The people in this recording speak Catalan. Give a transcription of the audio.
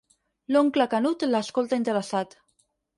L'oncle Canut l'escolta interessat.